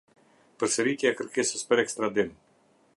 Përsëritja e kërkesës për ekstradim.